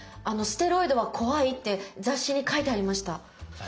「ステロイドは怖い」って雑誌に書いてありました。